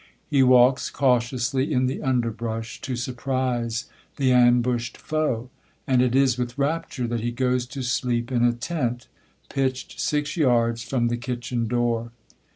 He walks cautiously in the underbrush, to surprise the ambushed foe; and it is with rapture that he goes to sleep in a tent, pitched six yards from the kitchen door.